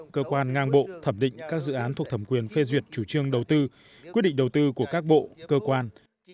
cơ quan ngang bộ thẩm định các dự án thuộc thẩm quyền phê duyệt chủ trương đầu tư quyết định đầu tư của các bộ cơ quan